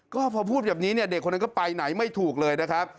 ก็พอพูดแบบนี้เนี่ยเด็กคนนั้นก็ไปไหนไม่ถูกเลยนะครับ